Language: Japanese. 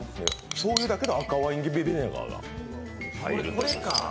しょうゆだけと赤ワインビネガーが。